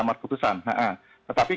amal keputusan tetapi